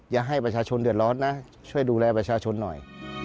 อย่าให้ประชาชนเดือดร้อนนะช่วยดูแลประชาชนหน่อย